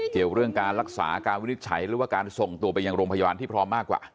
เกี่ยวเรื่องการรักษาการวินิจฉัยหรือว่าการส่งตัวไปยังโรงพยาบาลที่พร้อมมากกว่า